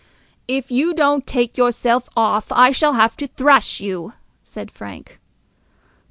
"If you don't take yourself off, I shall have to thrash you," said Frank.